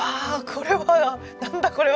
これはなんだこれは！？